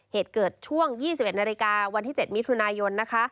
เหตุเกิดช่วง๒๑นาฬิกาวันที่๗มิถุนายนนะคะ